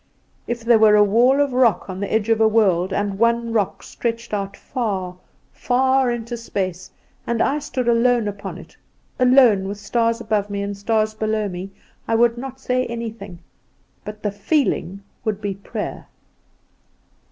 If there were a wall of rock on the edge of a world, and one rock stretched out far, far into space, and I stood alone upon it, alone, with stars above me, and stars below me, I would not say anything; but the feeling would be prayer."